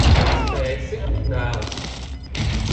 Vai spēsi, dēls?